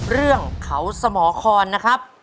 เรื่องเขาสมครนะครับ